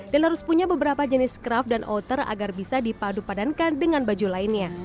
dan harus punya beberapa jenis skraf dan outer agar bisa dipadupadankan dengan baju lainnya